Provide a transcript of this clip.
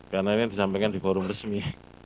karena ini disampaikan di forum resmi